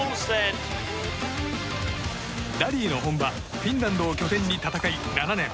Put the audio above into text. ラリーの本場フィンランドを拠点に戦い、７年。